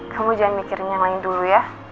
kamu jangan mikirin yang lain dulu ya